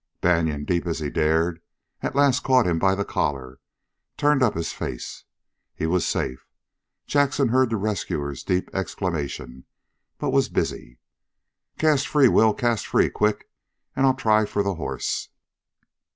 Banion, deep as he dared, at last caught him by the collar, turned up his face. He was safe. Jackson heard the rescuer's deep exclamation, but was busy. "Cast free, Will, cast free quick, and I'll try for the horse!"